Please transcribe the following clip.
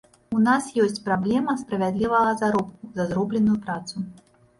У нас ёсць праблема справядлівага заробку за зробленую працу.